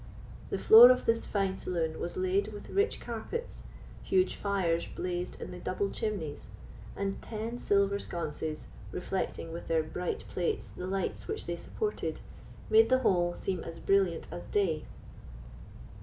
The floor of this fine saloon was laid with rich carpets, huge fires blazed in the double chimneys, and ten silver sconces, reflecting with their bright plates the lights which they supported, made the whole seem as brilliant as day.